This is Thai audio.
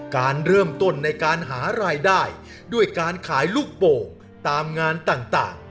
การเริ่มต้นในการหารายได้ด้วยการขายลูกโป่งตามงานต่าง